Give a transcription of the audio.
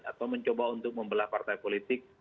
atau mencoba untuk membelah partai politik